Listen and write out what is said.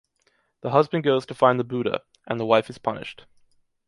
The husband goes to find the Buddha, and the wife is punished.